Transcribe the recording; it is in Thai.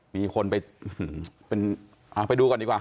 มีคนไปอื้อหือเป็นเอาไปดูก่อนดีกว่า